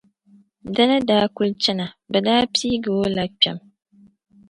Di ni daa kuli chana, bɛ daa piigi o la kpɛma.